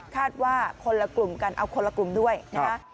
คาดว่าคนละกลุ่มกันเอาคนละกลุ่มด้วยนะฮะ